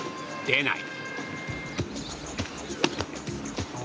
出ない。